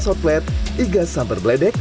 ke atas hot plate hingga samper beledek